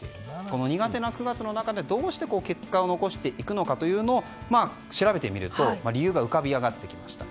この苦手な９月の中でどうして結果を残していくのかを調べてみると理由が浮かび上がってきました。